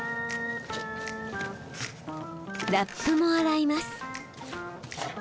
ラップも洗います。